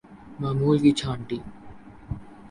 معمول کی چھانٹی